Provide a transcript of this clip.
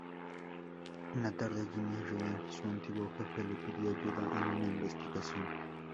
Una tarde, Jimmy Ryan, su antiguo jefe le pide ayuda en una investigación.